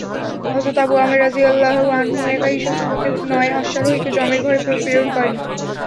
হযরত আবু আমের রাযিয়াল্লাহু আনহু একাই শত্রুপক্ষের নয় অশ্বারোহীকে জমের ঘরে প্রেরণ করেন।